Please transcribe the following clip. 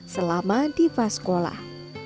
selama diva sekolah